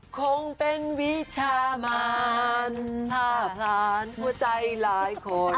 คงเป็นวิชามานถ้าผลาญหัวใจหลายคน